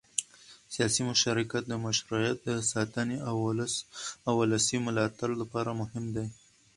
سیاسي مشارکت د مشروعیت د ساتنې او ولسي ملاتړ لپاره مهم دی